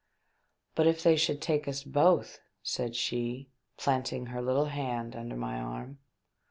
" But if they should take us both ?" said she, planting her little hand under my arm.